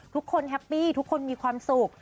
แฮปปี้ทุกคนมีความสุข